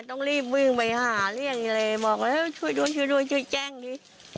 ต้องรีบวิ่งไปหาเลี่ยงเลยบอกแล้วช่วยด้วยช่วยด้วยช่วยแจ้งดิ